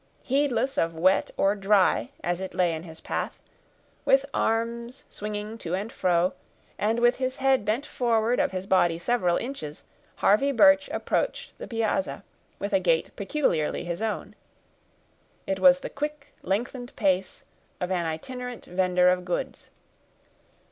Heedless of wet or dry as it lay in his path, with arms swinging to and fro, and with his head bent forward of his body several inches, Harvey Birch approached the piazza, with a gait peculiarly his own. It was the quick, lengthened pace of an itinerant vender of goods.